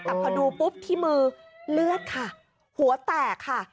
แต่พอดูปุ๊บที่มือเลือดค่ะหัวแตกค่ะ